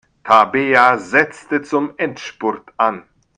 Tabea setzte zum Endspurt an.